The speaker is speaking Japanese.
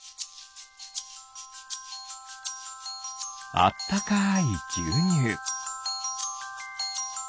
あったかいぎゅうにゅう。